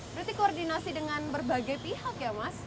berarti koordinasi dengan berbagai pihak ya mas